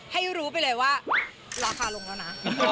ให้รู้ไปเลยว่าราคาลงแล้วนะ